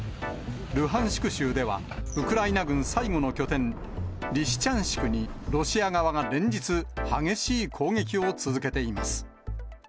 ルハンシク州では、ウクライナ軍最後の拠点、リシチャンシクにロシア側が連日、激しい攻撃を続けています。